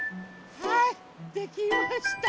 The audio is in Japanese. はいできました！